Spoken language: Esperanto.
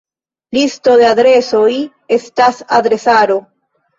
Listo de adresoj estas adresaro.